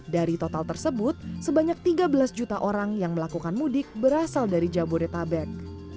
dari total tersebut sebanyak tiga belas juta orang yang melakukan mudik berasal dari jabodetabek